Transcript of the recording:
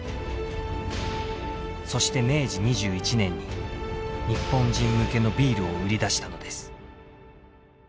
そして明治２１年に日本人向けのビールを売り出したのです。